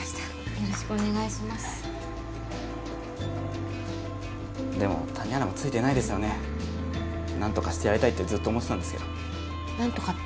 よろしくお願いしますでも谷原もついてないですよね何とかしてやりたいってずっと思ってたんですけど何とかって？